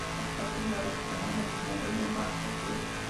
La corte ignoró su demanda cuando William Barker, Jr.